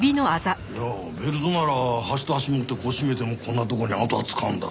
いやベルトなら端と端を持ってこう絞めてもこんなとこに痕は付かんだろう。